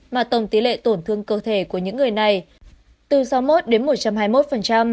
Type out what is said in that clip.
mà tổng tỷ lệ tổn thương cơ thể của hai người trở lên mà tổng tỷ lệ tổn thương cơ thể của những người này